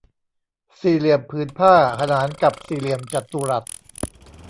สี่เหลี่ยมผืนผ้าขนานกับสี่เหลี่ยมจัตุรัส